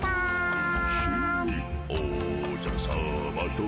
「おじゃるさまと」